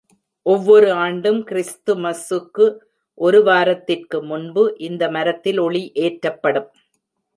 ஒவ்வொரு ஆண்டும், கிறிஸ்துமஸுக்கு ஒரு வாரத்திற்கு முன்பு, இந்த மரத்தில் ஒளி ஏற்றப்படும்.